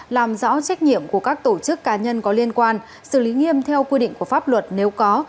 làm rõ trách nhiệm của các tổ chức cá nhân có liên quan xử lý nghiêm theo quy định của pháp luật nếu có